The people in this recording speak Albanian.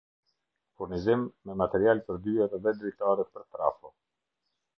Furnizim me material per dyer dhe dritare per trafo